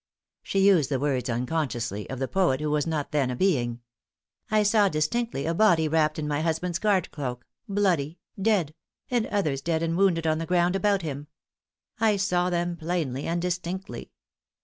(She used the words, unconsciously, of the poet who was not then a being.) I saw distinctly a body wrapped in my husband's guard cloak bloody dead; and others dead and wounded on the ground about him. I saw them plainly and distinctly.